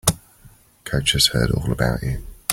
Coach has heard all about you.